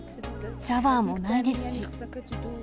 シャワーもないですし。